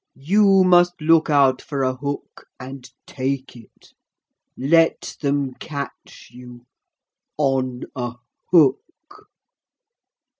You must look out for a hook and take it. Let them catch you. On a hook.'